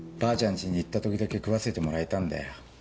家に行った時だけ食わせてもらえたんだよ。